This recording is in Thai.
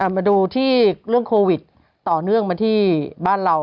มาดูที่เรื่องโควิดต่อเนื่องมาที่บ้านเรา